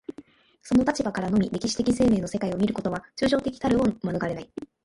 その立場からのみ歴史的生命の世界を見ることは、抽象的たるを免れない。